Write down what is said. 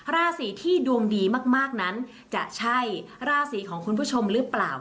ราศีที่ดวงดีมากนั้นจะใช่ราศีของคุณผู้ชมหรือเปล่า